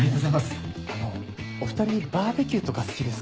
あのお２人バーベキューとか好きですか？